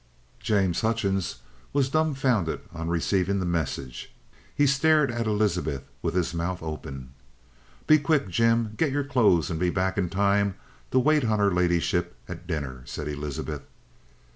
James Hutchings was dumbfounded on receiving the message. He stared at Elizabeth with his mouth open. "Be quick, Jim. Get your clothes and be back in time to wait on her ladyship at dinner," said Elizabeth.